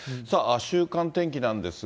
週間天気なんですが。